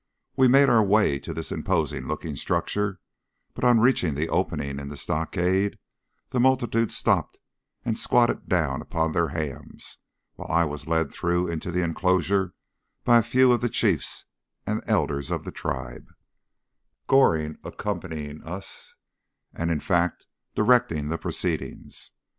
We made our way to this imposing looking structure, but, on reaching the opening in the stockade, the multitude stopped and squatted down upon their hams, while I was led through into the enclosure by a few of the chiefs and elders of the tribe, Goring accompanying us, and in fact directing the proceedings.